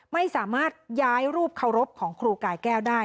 ไม่สามารถย้ายรูปเคารพของครูกายแก้วได้